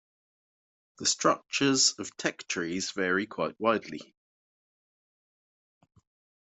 The structures of tech trees vary quite widely.